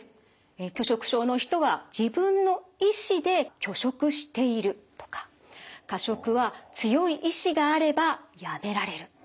拒食症の人は「自分の意思で拒食している」とか「過食は強い意志があればやめられる」